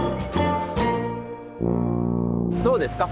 どうですか